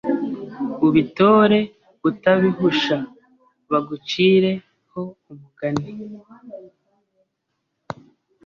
Ubitore utabihusha Bagucire ho umugani,